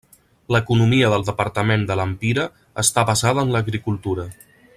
L'economia del departament de Lempira està basada en l'agricultura.